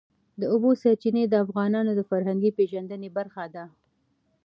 د اوبو سرچینې د افغانانو د فرهنګي پیژندنې برخه ده.